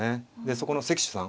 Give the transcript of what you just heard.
そこの席主さん